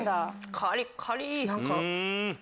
カリッカリ。